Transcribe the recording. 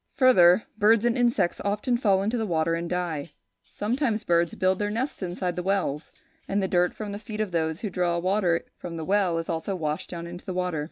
Further, birds and insects often fall into the water and die; sometimes birds build their nests inside the wells; and the dirt from the feet of those who draw water from the well is also washed down into the water.